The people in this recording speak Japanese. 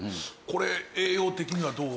これ栄養的にはどう。